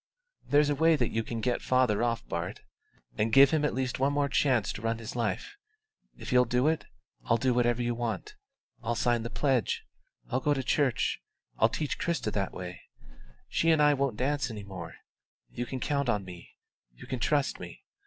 There's a way that you can get father off, Bart, and give him at least one more chance to run for his life. If you'll do it, I'll do whatever you want, I'll sign the pledge; I'll go to church; I'll teach Christa that way. She and I won't dance any more. You can count on me. You can trust me.